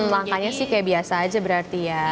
langkahnya sih kayak biasa aja berarti ya